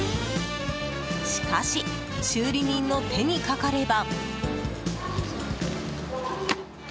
しかし修理人の手にかかれば。